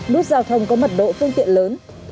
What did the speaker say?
nút giao thông có mật độ phương tiện lớn